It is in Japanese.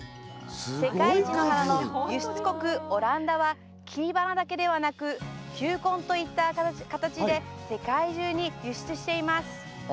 世界一の花の輸出国オランダは切り花だけではなく球根といった形で世界中に輸出しています。